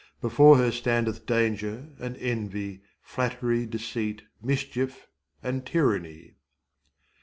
Before her standeth Danger and Envy, Flatt'ry, Deceit, Mischief, and Tyranny.